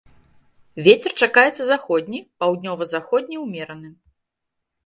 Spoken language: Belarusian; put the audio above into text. Вецер чакаецца заходні, паўднёва-заходні ўмераны.